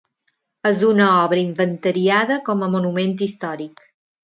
És una obra inventariada com a monument històric.